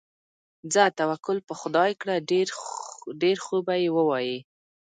ځه توکل په خدای کړه، ډېر خوبه یې ووایې.